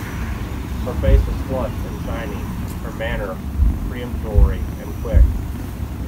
Her face was flushed and shiny, her manner peremptory and quick.